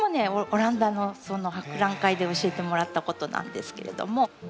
オランダのその博覧会で教えてもらったことなんですけれども。